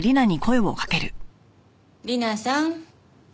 里奈さん。